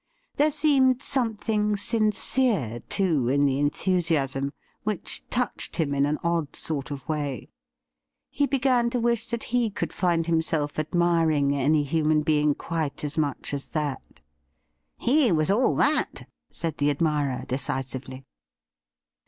There seemed something sincere, too, in the enthusiasm, which touched him in an odd sort of way. He began to wish that he could find himself admiring any human being quite as much as that. ' He was all that,' said the admirer decisively.